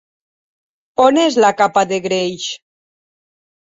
On és la capa de greix?